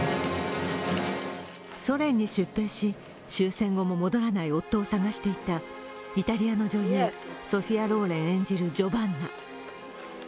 ソ連に出征し、終戦後の戻らない夫を捜していたイタリアの女優、ソフィア・ローレン演じるジョバンナ。